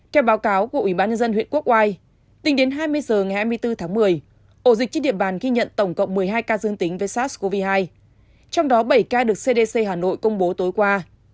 theo báo cáo của ủy ban nhân dân huyện quốc oai tính đến hai mươi h ngày hai mươi bốn tháng một mươi ổ dịch trên địa bàn ghi nhận tổng cộng một mươi hai ca dương tính với sars cov hai trong đó bảy ca được cdc hà nội công bố tối qua